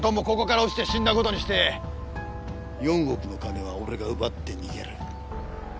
ここから落ちて死んだ事にして４億の金は俺が奪って逃げる。